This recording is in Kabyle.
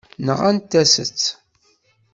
Nɣant-as-tt.